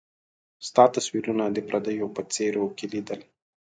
ستا تصويرونه د پرديو په څيرو کي ليدل